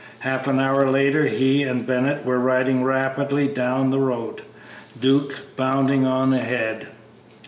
Half an hour later he and Bennett were riding rapidly down the road, Duke bounding on ahead.